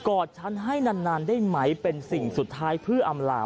อดฉันให้นานได้ไหมเป็นสิ่งสุดท้ายเพื่ออำลาว